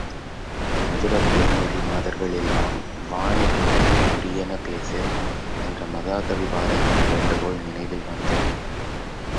மதுரத் தேமொழி மாதர்கள் எல்லாம் வாணி பூசைக்கு உரியன பேசிர்! என்ற மகாகவி பாரதியின் வேண்டுகோள் நினைவில் வந்தது.